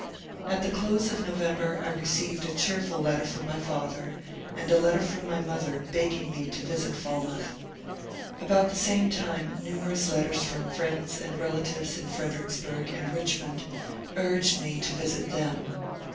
At the close of No vember I received a cheerful letter from my father and a letter from my mother begging me to visit Falmouth. About the same time numerous letters from friends and relatives in Fredericksburg and Richmond urged me to visit them.